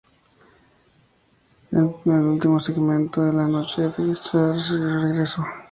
En el último segmento de la noche, Edge hace su regreso.